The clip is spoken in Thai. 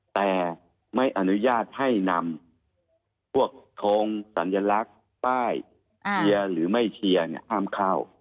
แต่ไม่อนุญาตให้นำพวกทงสัญลักษณ์ป้ายเชียร์หรือไม่เชียร์เนี่ยห้ามเข้า